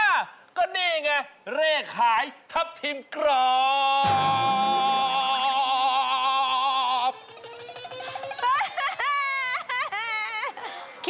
อ่ะก็นี่ไงเร่ขายทับทิมกรอบ